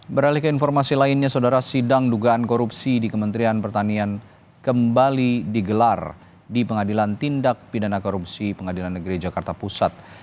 beralih ke informasi lainnya saudara sidang dugaan korupsi di kementerian pertanian kembali digelar di pengadilan tindak pidana korupsi pengadilan negeri jakarta pusat